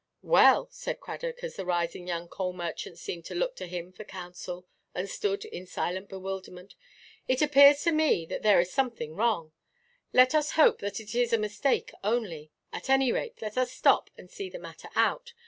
"Well," said Cradock, as the rising young coal–merchants seemed to look to him for counsel, and stood in silent bewilderment—"it appears to me that there is something wrong. Let us hope that it is a mistake only; at any rate, let us stop, and see the matter out.